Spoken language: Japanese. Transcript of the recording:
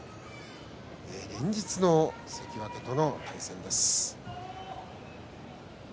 連日の関脇との対戦です。